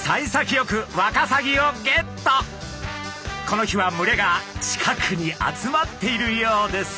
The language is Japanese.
この日は群れが近くに集まっているようです。